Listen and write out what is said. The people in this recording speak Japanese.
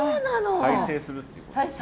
再生するっていうことですね。